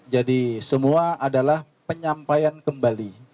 jadi semua adalah penyampaian kembali